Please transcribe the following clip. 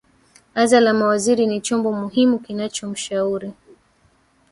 aza la mawaziri ni chombo muhimu kinaachomshauri